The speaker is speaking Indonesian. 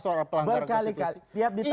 soal pelanggaran konstitusi